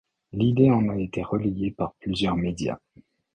L'idée en a été relayée par plusieurs médias.